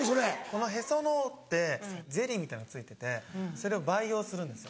このへその緒ってゼリーみたいのついててそれを培養するんですよ。